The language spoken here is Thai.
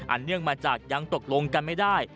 เนื่องมาจากยังตกลงกันไม่ได้